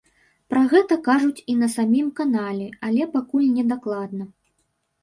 Пра гэта кажуць і на самім канале, але пакуль не дакладна.